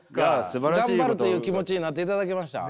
頑張るという気持ちになっていただけました？